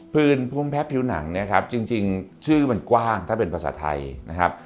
ภูมิแพ้ผิวหนังเนี่ยครับจริงชื่อมันกว้างถ้าเป็นภาษาไทยนะครับ